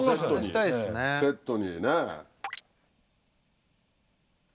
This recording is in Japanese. セットにね。